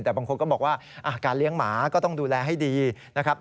แต่บางคนก็บอกว่าการเลี้ยงหมาก็ต้องดูแลให้ดีนะครับ